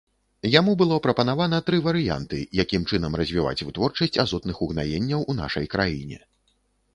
Яму было прапанавана тры варыянты, якім чынам развіваць вытворчасць азотных угнаенняў у нашай краіне.